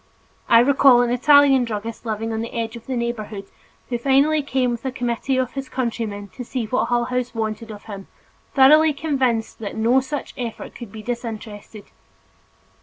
I recall an Italian druggist living on the edge of the neighborhood, who finally came with a committee of his countryman to see what Hull House wanted of him, thoroughly convinced that no such effort could be disinterested.